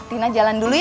tina jalan dulu ya